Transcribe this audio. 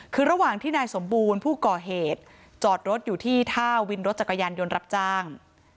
คือระหว่างที่นายสมบูรณ์ผู้ก่อเหตุจอดรถอยู่ที่ท่าวินรถจักรยานยนต์รับจ้าง